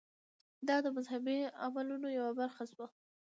دا د مذهبي عملونو یوه برخه شوه.